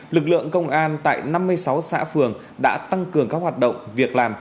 lực lượng công an tại năm mươi sáu xã phường đã tăng cường các hoạt động việc làm